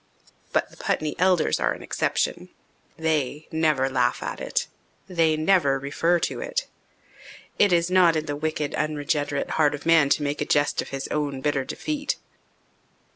But the Putney elders are an exception. They never laugh at it. They never refer to it. It is not in the wicked, unregenerate heart of man to make a jest of his own bitter defeat.